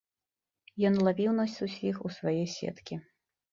Ён лавіў нас усіх у свае сеткі.